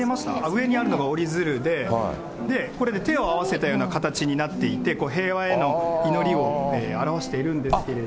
上にあるのが折り鶴で、これね、手を合わせたような形になっていて、平和への祈りを表しているんですけど。